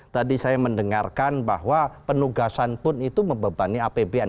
tadi saya mendengarkan bahwa penugasan pun itu membebani apbn